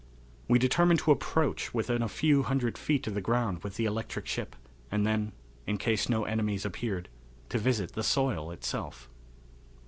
We determined to approach within a few hundred feet of the ground with the electric ship, and then, in case no enemies appeared, to visit the soil itself.